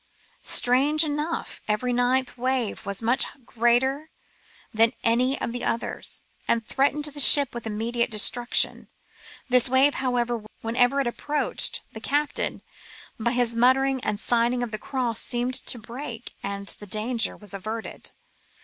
Strange enough every ninth wave was much greater than any of the others, and threatened the ship with immediate destruction. This wave, however, whenever it approached, the captain, by his muttering and signing of the cross, seemed to break, and the danger was averted."